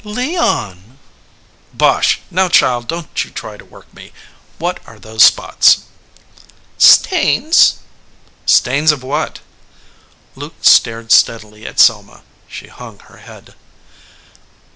"Leo* " "Bosh ! Now, child, don t you try to work me. What are those spots ?" "Stains." "Stains of what?" Luke stared steadily at Selma. She hung her head.